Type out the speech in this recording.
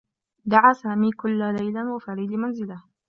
دعى سامي كلا ليلى و فريد لمنزله.